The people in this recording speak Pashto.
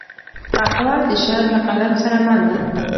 قهوه د شاعر له قلم سره مل ده